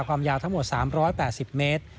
ความยาวทั้งหมด๓๘๐เมตร